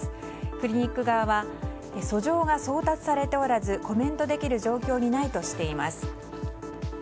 クリニック側は訴状が送達されておらずコメントできる状況にないとしています。